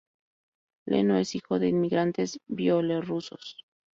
Leno es hijo de inmigrantes bielorrusos.